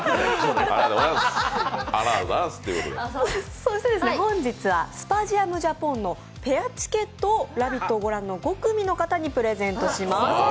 そして本日はスパジアムジャポンのペアチケットを「ラヴィット！」を御覧の５組の方にプレゼントします。